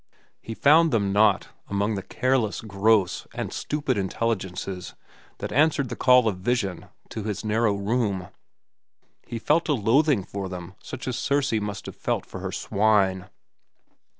He found them not among the careless, gross, and stupid intelligences that answered the call of vision to his narrow room. He felt a loathing for them such as Circe must have felt for her swine.